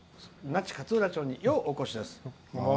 那智勝浦町にようお越しです。